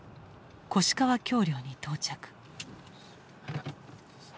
越川橋梁に到着。